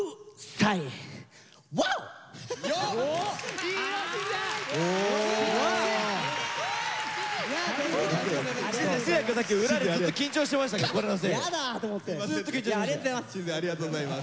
閑也ありがとうございます。